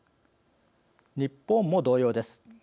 日本も同様です。